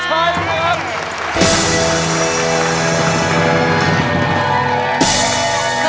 ไม่ใช้ครับ